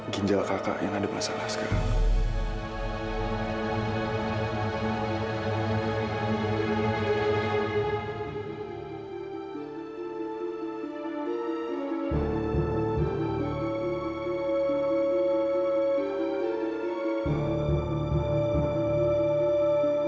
ginjal kakak yang ada masalah sekarang